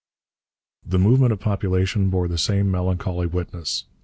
The movement of population bore the same melancholy witness.